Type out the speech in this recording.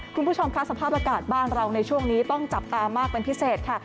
คุณผู้ชมค่ะสภาพอากาศบ้านเราในช่วงนี้ต้องจับตามากเป็นพิเศษค่ะ